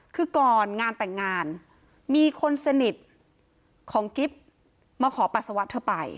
คือก่อนงานแต่งงานมีคนสนิทของกิ๊บมาขอปัสสาวะเธอไป